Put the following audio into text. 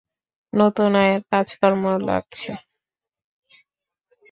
নতুন আয়ার কাজকর্ম লাগছে?